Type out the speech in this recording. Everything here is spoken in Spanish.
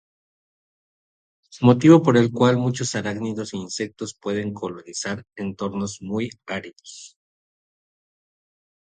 Motivo por el cual muchos arácnidos e insectos pueden colonizar entornos muy áridos.